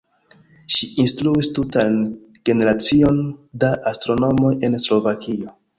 Ŝi instruis tutan generacion da astronomoj en Slovakio.